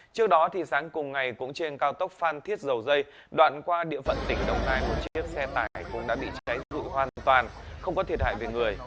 trước đó thì sáng cùng ngày cũng trên cao tốc phan thiết dầu dây đoạn qua địa phận tỉnh đồng nai một chiếc xe tải cũng đã bị cháy rụi hoàn toàn không có thiệt hại về người